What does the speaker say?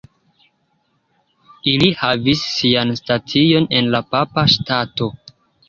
Ili havis sian stacion en la Papa Ŝtato.